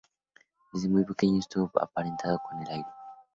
Desde muy pequeño estuvo emparentado con el arte.